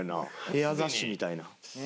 ヘア雑誌みたいな。